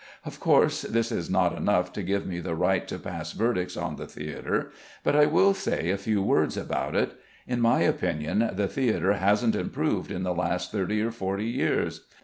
Of course this is not enough to give me the right to pass verdicts on the theatre; but I will say a few words about it. In my opinion the theatre hasn't improved in the last thirty or forty years.